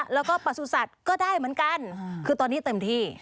แล้วก็ประสุทธิ์สัตว์ก็ได้เหมือนกันคือตอนนี้เต็มที่